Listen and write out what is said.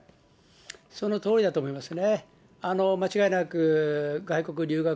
そのとおりだと思いますね。